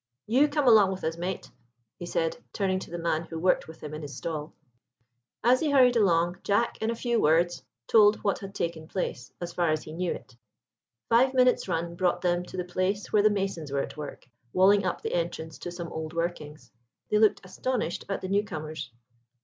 You come along with us, mate," he said, turning to the man who worked with him in his stall. As they hurried along, Jack, in a few words, told what had taken place, as far as he knew it. Five minutes' run brought them to the place where the masons were at work walling up the entrance to some old workings. They looked astonished at the newcomers.